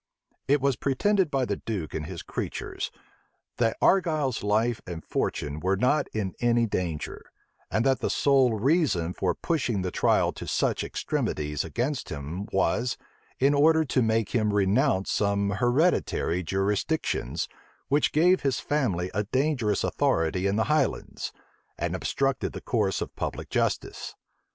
It was pretended by the duke and his creatures, that Argyle's life and fortune were not in any danger, and that the sole reason for pushing the trial to such extremities against him was, in order to make him renounce some hereditary jurisdictions, which gave his family a dangerous authority in the highlands, and obstructed the course of public justice.